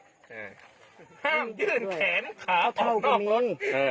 ห้ามยื่นแขนขาออกนอก